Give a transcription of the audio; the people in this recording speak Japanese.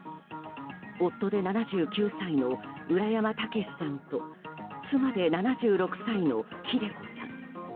夫で７９歳の浦山毅さんと妻で７６歳の秀子さん。